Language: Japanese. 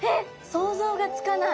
想像がつかない。